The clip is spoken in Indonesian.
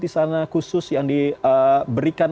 di sana khusus yang diberikan